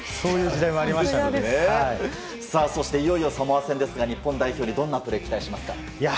そしていよいよサモア戦ですが日本代表にどんなプレー期待しますか。